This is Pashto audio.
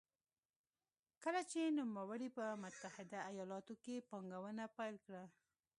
کله چې نوموړي په متحده ایالتونو کې پانګونه پیل کړه.